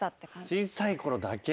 小さいころだけ？